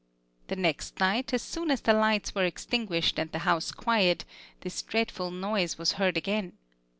The next night, as soon as the lights were extinguished and the house quiet, this dreadful noise was heard again.